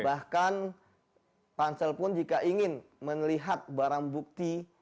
bahkan pansel pun jika ingin melihat barang bukti